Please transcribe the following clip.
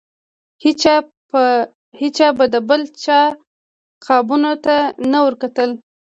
هیچا به د بل چا قابونو ته نه ورکتل.